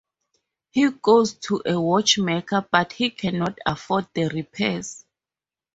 He goes to a watchmaker but he cannot afford the repairs.